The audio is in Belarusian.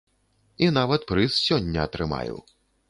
І нават прыз сёння атрымаю.